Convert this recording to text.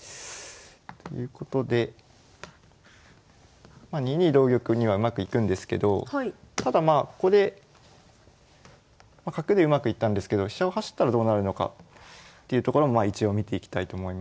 ということでまあ２二同玉にはうまくいくんですけどただまあここで角でうまくいったんですけどというところも一応見ていきたいと思います。